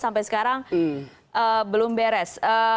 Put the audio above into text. sampai sekarang belum beres